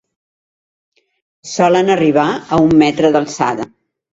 Solen arribar a un metre d'alçada.